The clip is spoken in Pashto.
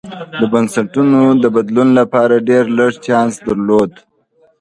د بنسټونو د بدلون لپاره ډېر لږ چانس درلود.